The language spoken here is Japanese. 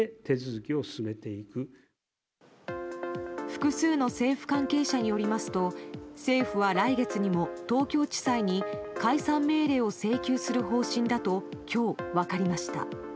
複数の政府関係者によりますと政府は来月にも東京地裁に解散命令を請求する方針だと今日分かりました。